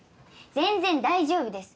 全然大丈夫です。